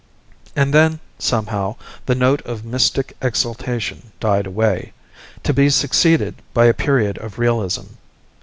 And then, somehow, the note of mystic exaltation died away, to be succeeded by a period of realism.